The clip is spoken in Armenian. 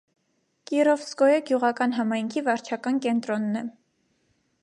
Կիրովսկոյե գյուղական համայնքի վարչական կենտրոնն է։